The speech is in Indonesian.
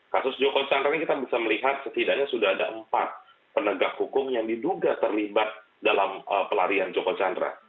kasus joko chandra ini kita bisa melihat setidaknya sudah ada empat penegak hukum yang diduga terlibat dalam pelarian joko chandra